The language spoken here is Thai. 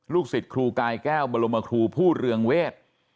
สิทธิ์ครูกายแก้วบรมครูผู้เรืองเวท